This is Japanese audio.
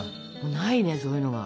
ないねそういうのが。